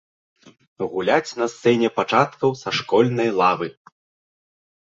Гуляць на сцэне пачаткаў са школьнай лавы.